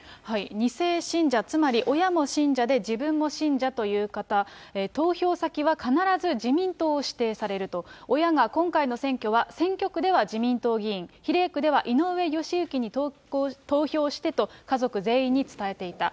２世信者、つまり親も信者で自分も信者という方、投票先は必ず自民党を指定されると、親が今回の選挙は選挙区では自民党議員、比例区では井上義行に投票してと、家族全員に伝えていた。